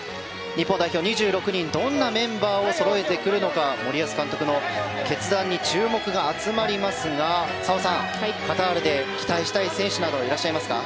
日本代表、２６人どんなメンバーをそろえてくるのか森保監督の決断に注目が集まりますが澤さん、カタールで期待したい選手などいらっしゃいますか。